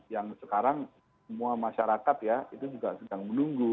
yang sekarang semua masyarakat ya itu juga sedang menunggu